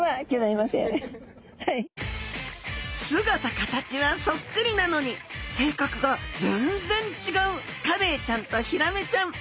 姿形はそっくりなのに性格が全然違うカレイちゃんとヒラメちゃん。